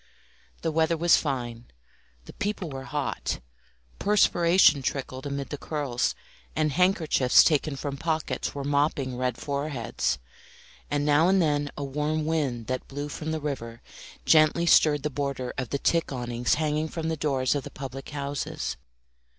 The weather was fine, the people were hot, perspiration trickled amid the curls, and handkerchiefs taken from pockets were mopping red foreheads; and now and then a warm wind that blew from the river gently stirred the border of the tick awnings hanging from the doors of the public houses.